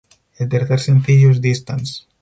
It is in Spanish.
El tercer sencillo es "Distance".